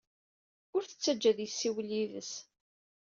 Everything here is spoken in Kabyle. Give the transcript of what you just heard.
Ur t-ttajja ad yessiwel yid-s.